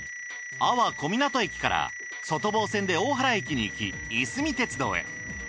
安房小湊駅から外房線で大原駅に行きいすみ鉄道へ。